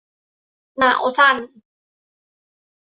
หนาวสั่น